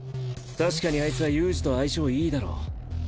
確かにあいつは悠仁と相性いいだろう。